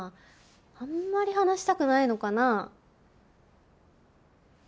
あんまり話したくないのかな？